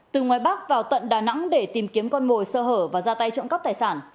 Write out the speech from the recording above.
từ ngoài bắc vào tận đà nẵng để tìm kiếm con mồi sơ hở và ra tay trộm cắp tài sản